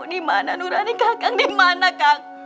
di mana nurani kakak di mana kang